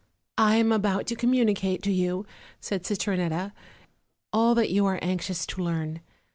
"I am ahout to communicate to you," said Citronetta, "all that you are anxious to learn.